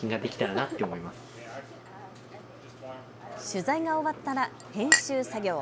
取材が終わったら編集作業。